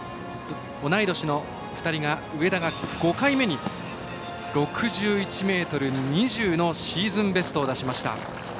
同い年の２人が、上田が５回目に６１ｍ２０のシーズンベストを出しました。